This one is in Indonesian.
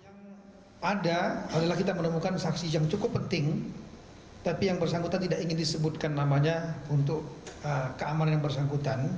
yang ada adalah kita menemukan saksi yang cukup penting tapi yang bersangkutan tidak ingin disebutkan namanya untuk keamanan yang bersangkutan